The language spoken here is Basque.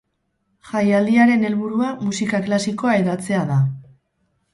Jaialdiaren helburua musika klasikoa hedatzea da.